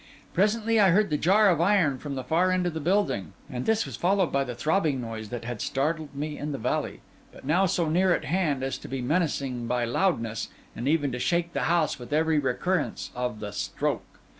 Presently I heard the jar of iron from the far end of the building; and this was followed by the same throbbing noise that had startled me in the valley, but now so near at hand as to be menacing by loudness, and even to shake the house with every recurrence of the stroke.